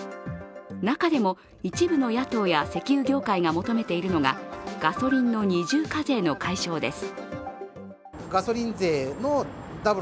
中でも一部の野党や石油業界が求めているのがガソリンの二重課税の解消です。